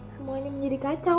semua ini menjadi kacau